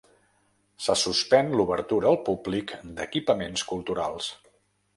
Se suspèn l’obertura al públic d’equipaments culturals.